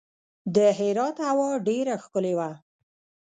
د هرات هوا ډیره ښکلې وه.